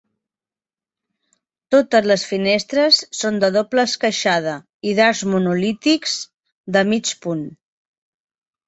Totes les finestres són de doble esqueixada i d'arcs monolítics de mig punt.